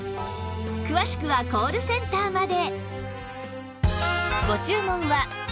詳しくはコールセンターまで